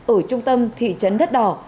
ở trung tâm thị trấn đất đỏ